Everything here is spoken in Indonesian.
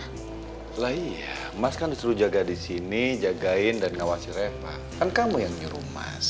hai lah iya mas kan disuruh jaga disini jagain dan ngawasi refah kan kamu yang nyuruh mas